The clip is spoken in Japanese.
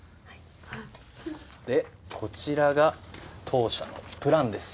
でこちらが当社のプランです。